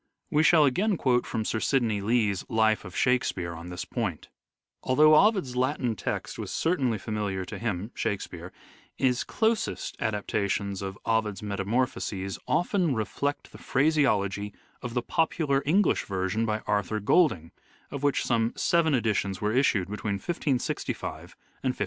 We shall again quote from Sir Sidney Lee's " Life of Shakespeare" on this point: "Although Ovid's Latin text was certainly familiar to him (Shakespeare) his closest adaptations of Ovid's ' Metamorphoses ' often reflect the phraseology of the popular English version by Arthur Golding of which some seven editions were issued between 1565 and 1597."